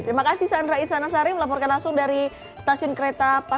terima kasih sandra insanasari melaporkan langsung dari stasiun kereta api